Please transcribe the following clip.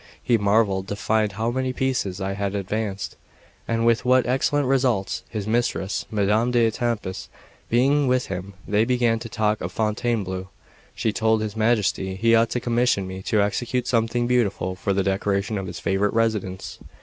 He marvelled to find how many pieces I had advanced, and with what excellent results. His mistress, Madame d'Etampes, being with him, they began to talk of Fontainebleau. She told his Majesty he ought to commission me to execute something beautiful for the decoration of his favourite residence.